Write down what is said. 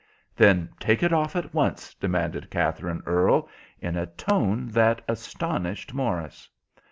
"Then take it off at once," demanded Katherine Earle, in a tone that astonished Morris.